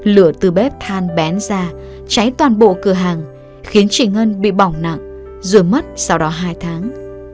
lửa từ bếp than bén ra cháy toàn bộ cửa hàng khiến chị ngân bị bỏng nặng rồi mất sau đó hai tháng